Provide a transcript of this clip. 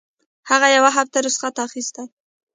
هغې يوه هفته رخصت اخيستى.